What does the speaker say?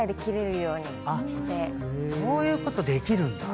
そういうことできるんだ。